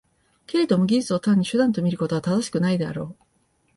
けれども技術を単に手段と見ることは正しくないであろう。